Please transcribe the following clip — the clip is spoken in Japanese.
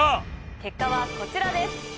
結果はこちらです。